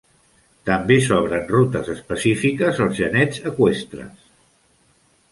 També s'obren rutes específiques als genets eqüestres.